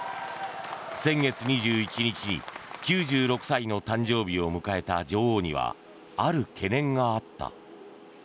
先月２１日に９６歳の誕生日を迎えた女王にはある懸念があった。